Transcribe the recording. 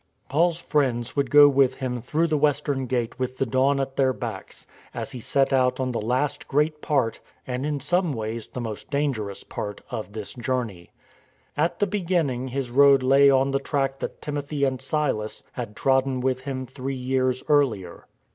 Paul's friends would go with him through the western gate with the dawn at their backs, as he set put on the last great part (and in some ways the most dangerous part) of this journey. At the beginning his road lay on the track that Timothy and Silas had trodden with him three years earlier.